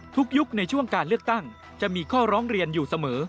ยุคในช่วงการเลือกตั้งจะมีข้อร้องเรียนอยู่เสมอ